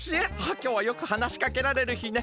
きょうはよくはなしかけられるひね。